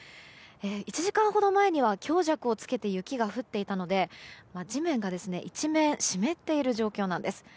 １時間ほど前には強弱をつけて雪が降っていたので地面が一面湿っている状況なんです。